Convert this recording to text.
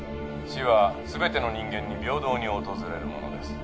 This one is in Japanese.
死は全ての人間に平等に訪れるものです。